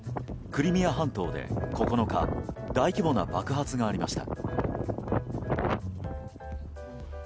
クリミア半島で９日大規模な爆発がありました。